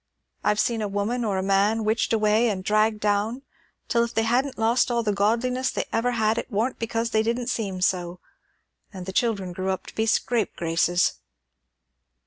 I've been a woman or a man witched away and dragged down, till if they hadn't lost all the godliness they ever had, it warn't because they didn't seem so. And the children grew up to be scapegraces.'"